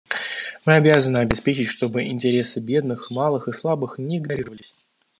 Мы обязаны обеспечить, чтобы интересы бедных, малых и слабых не игнорировались.